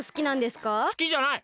すきじゃない。